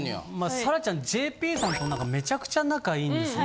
沙羅ちゃんＪＰさんとめちゃくちゃ仲良いんですよね。